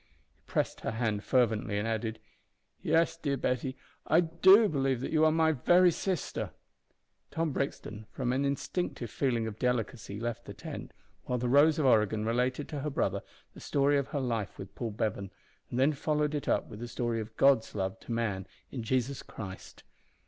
He pressed her hand fervently, and added, "Yes, dear Betty. I do believe that you are my very sister." Tom Brixton, from an instinctive feeling of delicacy, left the tent, while the Rose of Oregon related to her brother the story of her life with Paul Bevan, and then followed it up with the story of God's love to man in Jesus Christ.